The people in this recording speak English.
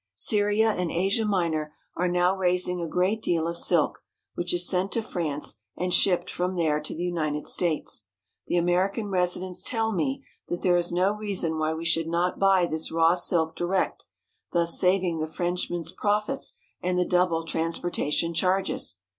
Syria and Asia Minor are now raising a great deal of silk, which is sent to France and shipped from there to the United States. The American residents tell me that there is no reason why we should not buy this raw silk direct, thus saving the Frenchman's profits and the double transportation charges.